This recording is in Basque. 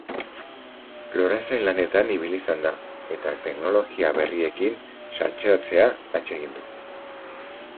Lorezain lanetan ibili izan da eta teknologia berriekin saltseatzea atsegin du.